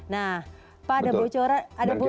nah pak ada bocoran